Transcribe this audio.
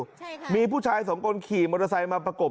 ใช่ค่ะมีผู้ชายสองคนขี่มอเตอร์ไซค์มาประกบ